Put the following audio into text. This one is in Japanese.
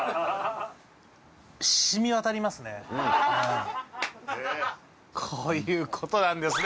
染みわたりますね